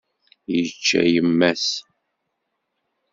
Yečča yemma-s.